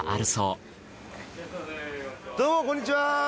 どうもこんにちは。